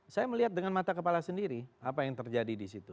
saya melihat dengan mata kepala sendiri apa yang terjadi di situ